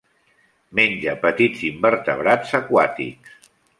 Menja petits invertebrats aquàtics.